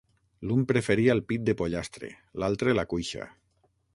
L'un preferia el pit del pollastre, l'altre la cuixa.